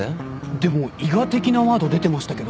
でも伊賀的なワード出てましたけど？